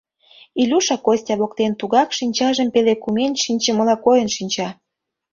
Илюша Костя воктен тугак шинчажым пеле кумен шинчымыла койын шинча;